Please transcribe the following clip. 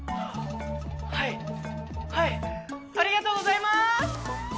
はいはいありがとうございます！